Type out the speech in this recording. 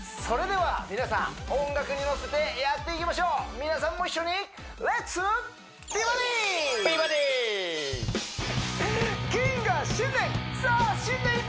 それでは皆さん音楽にのせてやっていきましょう皆さんも一緒に謹賀新年！